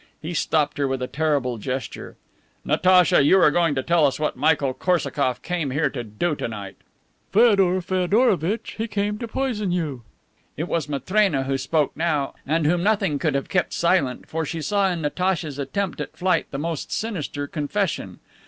He stopped her with a terrible gesture. "Natacha, you are going to tell us what Michael Korsakoff came here to do to night." "Feodor Feodorovitch, he came to poison you." It was Matrena who spoke now and whom nothing could have kept silent, for she saw in Natacha's attempt at flight the most sinister confession.